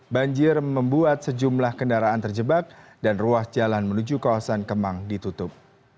banjir membuat sejumlah kendaraan terjebak dan ruas jalan menuju kawasan kemang ditutup